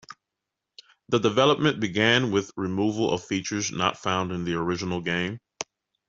The development began with removal of features not found in the original game.